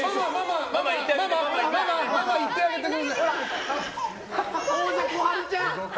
ママ、行ってあげてください。